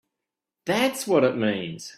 That's what it means!